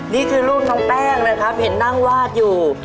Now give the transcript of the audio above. นี่คือรูปน้องแป้งนะครับเห็นนั่งวาดอยู่